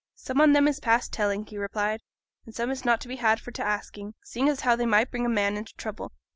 'Some on 'em is past telling,' he replied, 'an some is not to be had for t' asking, seeing as how they might bring a man into trouble.